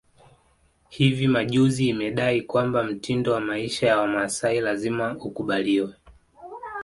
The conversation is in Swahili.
Hivi majuzi imedai kwamba mtindo wa maisha ya Wamasai lazima ukubaliwe